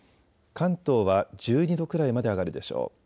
関東は１２度くらいまで上がるでしょう。